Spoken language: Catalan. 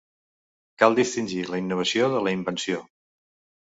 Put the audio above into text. Cal distingir la innovació de la invenció.